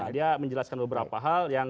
dia menjelaskan beberapa hal